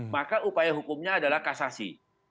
maka upaya hukumnya adalah kasasi